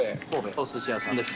おすし屋さんです。